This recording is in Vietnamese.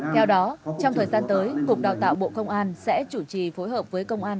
theo đó trong thời gian tới cục đào tạo bộ công an sẽ chủ trì phối hợp với công an